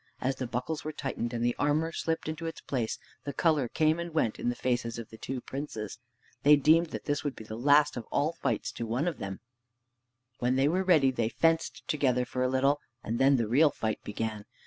As the buckles were tightened and the armor slipped into its place, the color came and went in the faces of the two princes. They deemed that this would be the last of all fights to one of them. When they were ready they fenced together for a little, and then the real fight began.